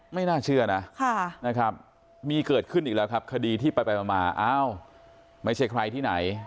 ไม่น่าเชื่อนะนะครับมีเกิดขึ้นอีกแล้วครับคดีที่ไปมาอ้าวไม่ใช่ใครที่ไหน